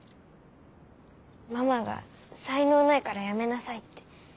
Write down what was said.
ママが「才能ないからやめなさい」って。